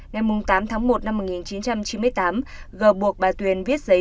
ngày tám tháng một năm một nghìn chín trăm chín mươi tám g buộc bà tuyền viết giấy